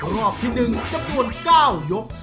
รอบที่๑จำนวน๙ยก